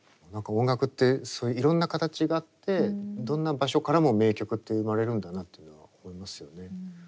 何か音楽っていろんな形があってどんな場所からも名曲って生まれるんだなっていうのは思いますよね。